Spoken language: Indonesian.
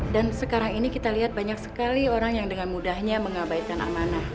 dan sekarang ini kita lihat banyak sekali orang yang dengan mudahnya mengabaikan amanah